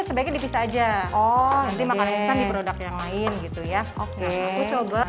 sebaiknya dipisah aja oh nanti makan instan di produk yang lain gitu ya oke aku coba